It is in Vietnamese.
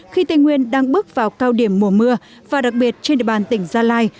khi tây nguyên đang bước vào cao điểm mùa mưa và đặc biệt trên địa bàn tỉnh gia lai